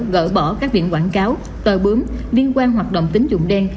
gỡ bỏ các biển quảng cáo tờ bướm liên quan hoạt động tính dụng đen